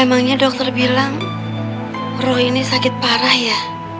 emangnya dokter bilang roh ini sakit parah ya